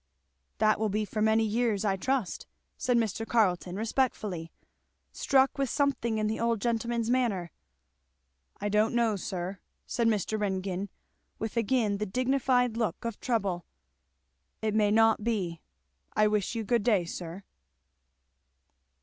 "That will be for many years, I trust," said Mr. Carleton respectfully, struck with something in the old gentleman's manner. "I don't know, sir!" said Mr. Ringgan, with again the dignified look of trouble; "it may not be! I wish you good day, sir."